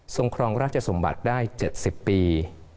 ครองราชสมบัติได้๗๐ปี